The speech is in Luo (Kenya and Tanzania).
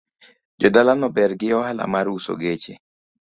Jodala no ber gi oala mar uso geche